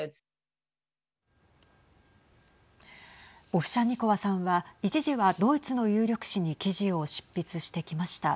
オフシャンニコワさんは一時はドイツの有力紙に記事を執筆してきました。